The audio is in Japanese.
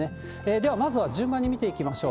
ではまずは順番に見ていきましょう。